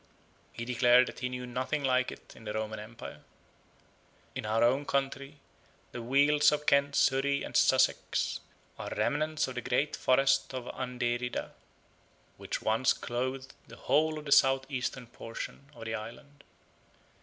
He declared that he knew nothing like it in the Roman empire. In our own country the wealds of Kent, Surrey, and Sussex are remnants of the great forest of Anderida, which once clothed the whole of the south eastern portion of the island.